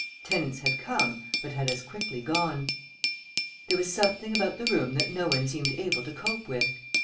Tenants had come but had as quickly gone. There was something about the room that no one seemed able to cope with.